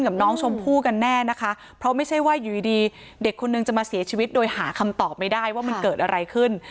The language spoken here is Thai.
กับน้องชมพู่กันแน่นะคะเพราะไม่ใช่ว่าอยู่ดีดีเด็กคนนึงจะมาเสียชีวิตโดยหาคำตอบไม่ได้ว่ามันเกิดอะไรขึ้น